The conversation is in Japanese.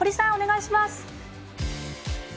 お願いします。